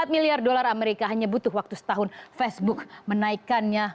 empat miliar dolar amerika hanya butuh waktu setahun facebook menaikannya